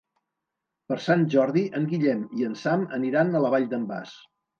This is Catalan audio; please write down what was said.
Per Sant Jordi en Guillem i en Sam aniran a la Vall d'en Bas.